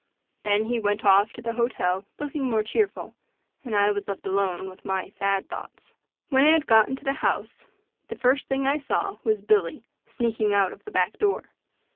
Then he went off to the hotel looking more cheerful, and I was left alone with my sad thoughts. When I got into the house the first thing I saw was Billy sneaking out of the back door.